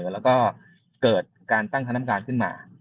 แล้วก็เกิดการตั้งคณะกรรมการขึ้นมา